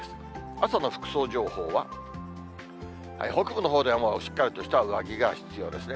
朝の服装情報は、北部のほうではもうしっかりとした上着が必要ですね。